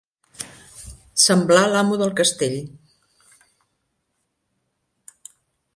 Semblar l'amo del castell.